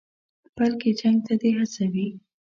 بلکې جنګ ته دې هڅوي.